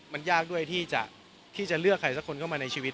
มันยากด้วยที่จะเลือกใครสักคนเข้ามาในชีวิต